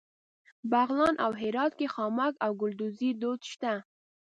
بغلان او هرات کې خامک او ګلدوزي دود شته.